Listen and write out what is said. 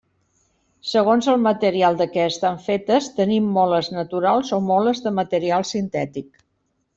Segons el material de què estan fetes tenim moles naturals o moles de material sintètic.